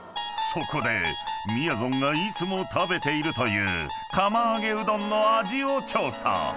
［そこでみやぞんがいつも食べているという釜揚げうどんの味を調査。